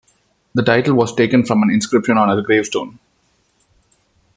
The title was taken from an inscription on her gravestone.